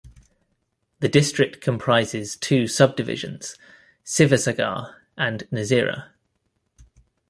The district comprises two sub-divisions - "Sivasagar" and "Nazira".